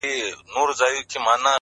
ولاكه مو په كار ده دا بې ننگه ككرۍ؛